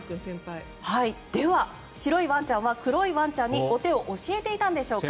では白いワンちゃんは黒いワンちゃんにお手を教えていたんでしょうか。